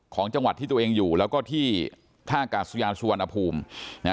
ของจังหวัดที่ตัวเองอยู่แล้วก็ที่ท่ากาศยานสุวรรณภูมินะฮะ